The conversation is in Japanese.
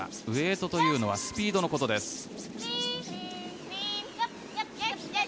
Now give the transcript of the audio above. ウェイトというのはスピードのことです。